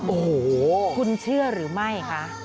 โอ้โหคุณเชื่อหรือไม่คะ